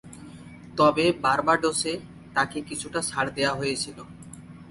তবে, বার্বাডোসে তাকে কিছুটা ছাড় দেয়া হয়েছিল।